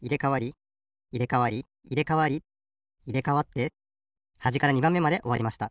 いれかわりいれかわってはじから２ばんめまでおわりました。